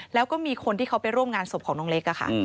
แล้วก็มีคนที่เขาไปร่วมงานศพของน้องเล็กค่ะ